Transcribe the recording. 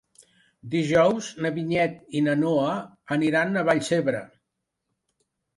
Dijous na Vinyet i na Noa aniran a Vallcebre.